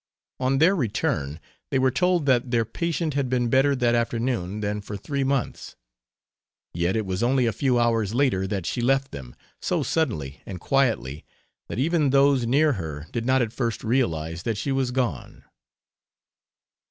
On their return they were told that their patient had been better that afternoon than for three months. Yet it was only a few hours later that she left them, so suddenly and quietly that even those near her did not at first realize that she was gone.